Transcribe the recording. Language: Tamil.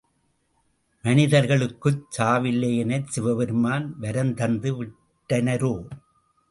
மனிதர்களுக்குச் சாவில்லை எனச் சிவபெருமான் வரந்தந்து விட்டனரோ!